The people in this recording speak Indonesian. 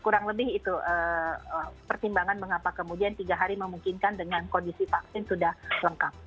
jadi itu pertimbangan mengapa kemudian tiga hari memungkinkan dengan kondisi vaksin sudah lengkap